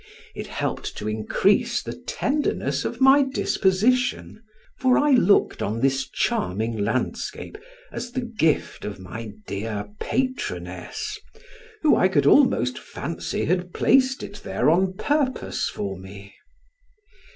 it helped to increase the tenderness of my disposition, for I looked on this charming landscape as the gift of my dear patroness, who I could almost fancy had placed it there on purpose for me.